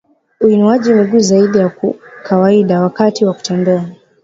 uinuaji miguu zaidi ya kawaida wakati wa kutembea